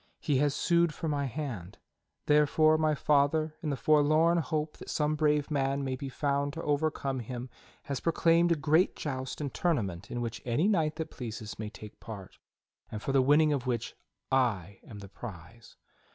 He has sued for my hand; therefore my father, in the forlorn hope that some brave man may be found to overcome him, has proclaimed a great joust and tournament in which any knight that pleases may take part, and for the winning of which I am the 70 THE STORY OF KING ARTHUR prize.